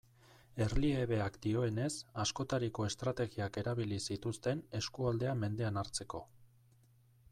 Erliebeak dioenez, askotariko estrategiak erabili zituzten eskualdea mendean hartzeko.